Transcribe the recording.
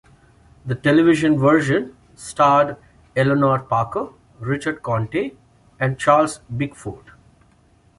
The television version starred Eleanor Parker, Richard Conte, and Charles Bickford.